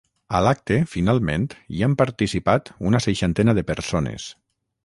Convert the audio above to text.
A l’acte, finalment hi han participat una seixantena de persones.